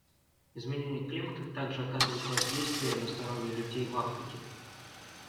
Изменение климата также оказывает воздействие на здоровье людей в Африке.